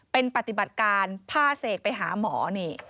เป็นปฏิบัติการพาเสกไปหาหมอนี่